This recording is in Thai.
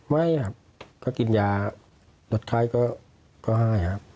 ไม่ครับก็กินยาลดไข้ก็ให้ครับ